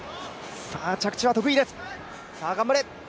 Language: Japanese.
着地は得意です。